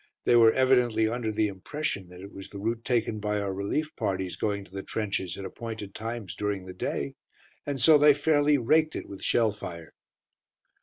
They were evidently under the impression that it was the route taken by our relief parties going to the trenches at appointed times during the day, and so they fairly raked it with shell fire.